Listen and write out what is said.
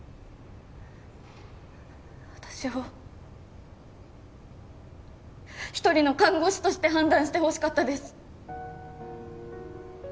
私を一人の看護師として判断してほしかったです